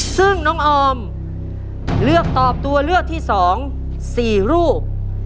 ซึ่งน้องออมเลือกตอบตัวเลือกที่๒๔รูป